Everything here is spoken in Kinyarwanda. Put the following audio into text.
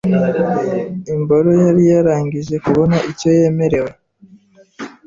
imboro yari yarangije kubona icyo yaremewe